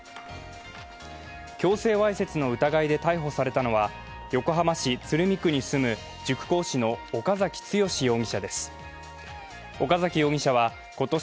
強制わいせつの疑いで逮捕されたのは横浜市鶴見区に住む塾講師の岡崎剛容疑者です。